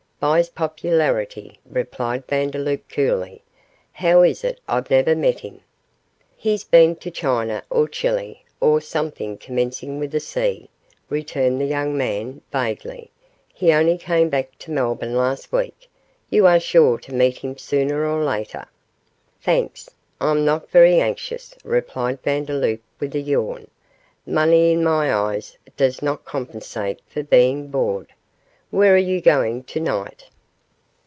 buys popularity,' replied Vandeloup, coolly; 'how is it I've never met him?' 'He's been to China or Chile or something commencing with a C,' returned the young man, vaguely; 'he only came back to Melbourne last week; you are sure to meet him sooner or later.' 'Thanks, I'm not very anxious,' replied Vandeloup, with a yawn; 'money in my eyes does not compensate for being bored; where are you going to night?